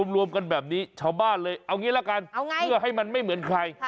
รวมกันแบบนี้ชาวบ้านเลยเอางี้ละกันเพื่อให้มันไม่เหมือนใคร